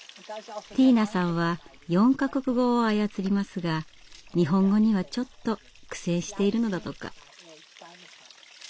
ティーナさんは４か国語を操りますが日本語にはちょっと苦戦しているのだとか。